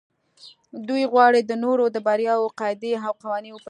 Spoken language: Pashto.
دوی غواړي د نورو د برياوو قاعدې او قوانين وپلټي.